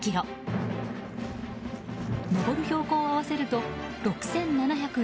登る標高を合わせると６７７２ｍ。